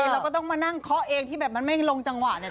เราก็ต้องมานั่งเคาะเองที่แบบมันไม่ลงจังหวะเนี่ย